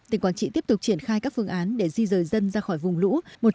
tỉnh quảng trị tiếp tục triển khai các phương án để di rời dân ra khỏi vùng lũ